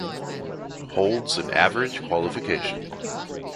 Holds an average qualification.